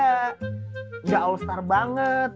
nggak all star banget